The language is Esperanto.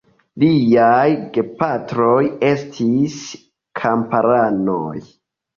Liaj gepatroj estis kamparanoj.